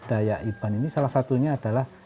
daya iban ini salah satunya adalah